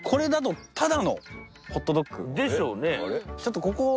で。でしょうね。